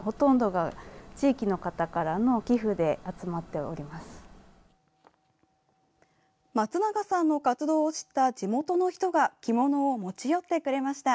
まつながさんの活動を知った地元の人が着物を持ち寄ってくれました。